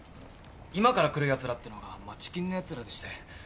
今から来るやつらってのが街金のやつらでして。